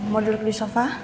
mau duduk di sofa